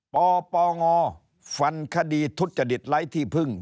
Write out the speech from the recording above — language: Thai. ปปงฟันคดีทุจริตไร้ที่พึ่ง